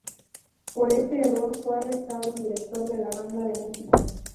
Por este error fue arrestado el director de la banda de música.